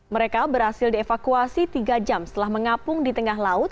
mereka berhasil dievakuasi tiga jam setelah mengapung di tengah laut